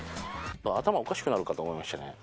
頭おかしくなるかと思いましたね。